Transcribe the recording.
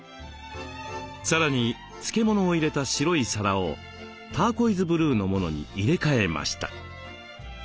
さらに漬物を入れた白い皿をターコイズブルーのものに入れ替えました。